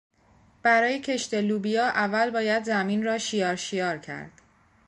برای کشت لوبیا اول باید زمین را شیار شیار کرد.